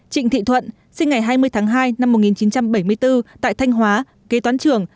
trịnh thị thuận sinh ngày hai mươi tháng hai năm một nghìn chín trăm bảy mươi bốn tại thanh hóa kế toán trưởng